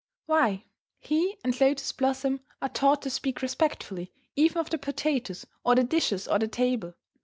Why! he and Lotus Blossom are taught to speak respectfully even of the potatoes or the dishes or the table.